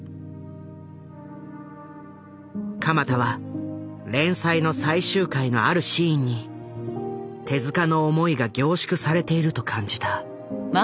鎌田は連載の最終回のあるシーンに手の思いが凝縮されていると感じた。